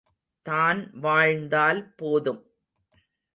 தான் வாழ்ந்தால் போதும்!